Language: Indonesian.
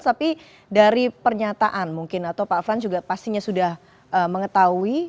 tapi dari pernyataan mungkin atau pak frans juga pastinya sudah mengetahui